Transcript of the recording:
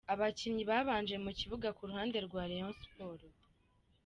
Abakinnyi babanje mu kibuga ku ruhande rwa Rayon Sports.